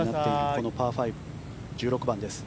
このパー５１６番です。